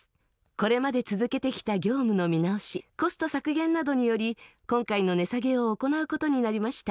これまで続けてきた業務の見直しコスト削減などにより今回の値下げを行うことになりました。